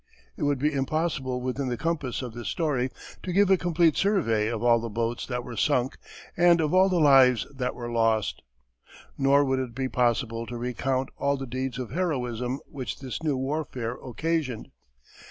It would be impossible within the compass of this story to give a complete survey of all the boats that were sunk and of all the lives that were lost. Nor would it be possible to recount all the deeds of heroism which this new warfare occasioned.